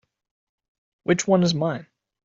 Which one is mine?